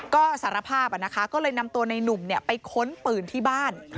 ก็สารภาพนะคะก็เลยนำตัวในนุ่มไปค้นปืนที่บ้าน